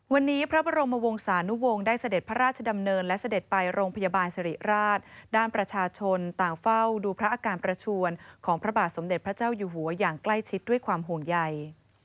วันนี้พระบรมวงศานุวงศ์ได้เสด็จพระราชดำเนินและเสด็จไปโรงพยาบาลสิริราชด้านประชาชนต่างเฝ้าดูพระอาการประชวนของพระบาทสมเด็จพระเจ้าอยู่หัวอย่างใกล้ชิดด้วยความห่วงใย